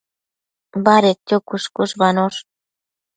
Badedquio cuësh-cuëshbanosh